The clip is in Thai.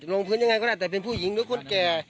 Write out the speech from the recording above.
ลงพื้นยังไงก็ได้แต่เป็นผู้หญิงหรือคนแก่